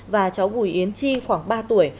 và cháu bùi yến chi khoảng ba tuổi